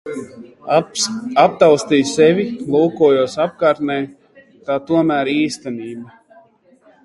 Aptaustīju sevi, lūkojos apkārtnē, tā tomēr īstenība.